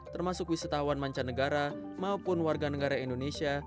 termasuk wisatawan mancanegara maupun warga negara indonesia